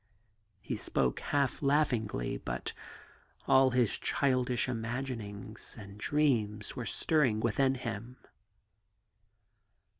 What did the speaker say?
He spoke half laughingly, but all his childish imaginings and dreams were stirring within him.